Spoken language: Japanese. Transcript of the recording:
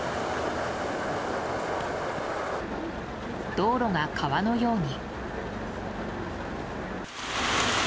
道路が川のように。